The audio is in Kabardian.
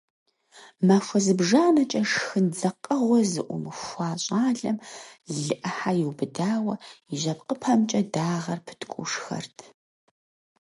Махуэ зыбжанэкӀэ шхын дзакъэгъуэ зыӏумыхуа щӏалэм лы Ӏыхьэ иубыдауэ и жьэпкъыпэмкӀэ дагъэр пыткӀуу шхэрт.